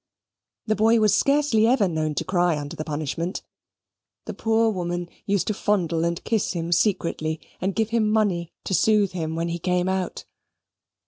The boy was scarcely ever known to cry under the punishment; the poor woman used to fondle and kiss him secretly, and give him money to soothe him when he came out.